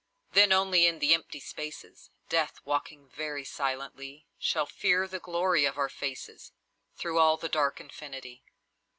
Then only in the empty spaces, Death, walking very silently, Shall fear the glory of our faces Through all the dark infinity.